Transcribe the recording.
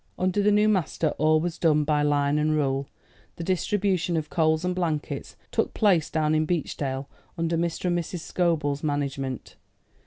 Under the new master all was done by line and rule. The distribution of coals and blankets took place down in Beechdale under Mr. and Mrs. Scobel's management.